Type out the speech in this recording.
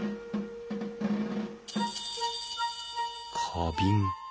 花瓶。